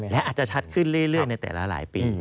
และอาจจะชัดขึ้นเรื่อยในแต่ละปี